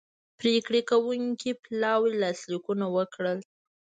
پریکړې کوونکي پلاوي لاسلیکونه وکړل